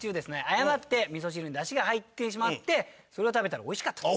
誤ってみそ汁にだしが入ってしまってそれを食べたら美味しかった」と。